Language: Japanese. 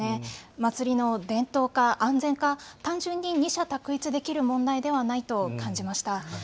祭りの伝統か、安全か、単純に二者択一できる問題ではないと感じました。